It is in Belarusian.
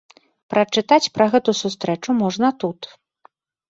Прачытаць пра гэту сустрэчу можна тут.